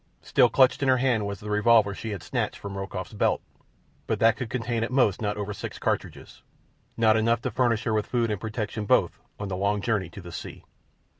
Still clutched in her hand was the revolver she had snatched from Rokoff's belt, but that could contain at most not over six cartridges—not enough to furnish her with food and protection both on the long journey to the sea.